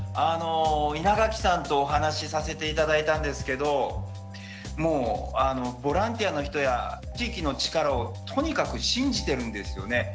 稲垣さんとお話しさせていただいたんですけどもうあのボランティアの人や地域の力をとにかく信じてるんですよね。